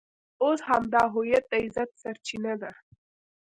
اوس همدا هویت د عزت سرچینه ده.